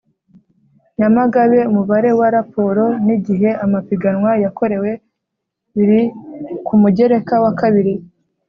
Nyamagabe Umubare wa raporo n igihe amapiganwa yakorewe biri ku mugereka wa kabiri